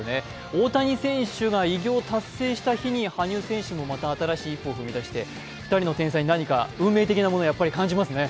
大谷選手が偉業を達成した日に羽生選手も新しい一歩を踏み出して２人の天才に何か運命的なものを何か感じますね。